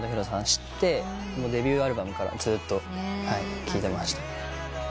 知ってデビューアルバムからずっと聴いてました。